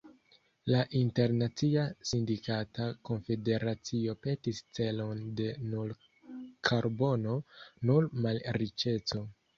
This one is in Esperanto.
La Internacia Sindikata Konfederacio petis celon de "nul karbono, nul malriĉeco".